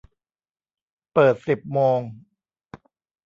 เปิดสิบโมง